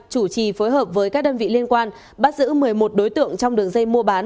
chủ trì phối hợp với các đơn vị liên quan bắt giữ một mươi một đối tượng trong đường dây mua bán